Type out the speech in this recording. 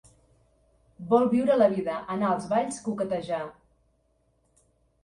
Vol viure la vida, anar als balls, coquetejar.